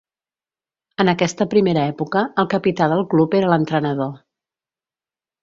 En aquesta primera època, el capità del club era l'entrenador.